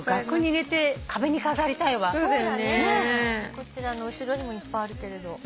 こちらの後ろにもいっぱいあるけれど。